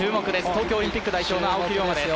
東京オリンピック代表の青木です。